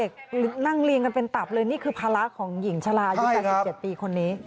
นั่งเรียงกันเป็นตับเลยนี่คือภาระของหญิงชะลาอายุ๘๗ปีคนนี้